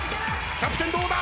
キャプテンどうだ！？